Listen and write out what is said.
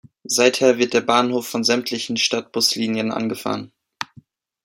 Seither wird der Bahnhof von sämtlichen Stadtbuslinien angefahren.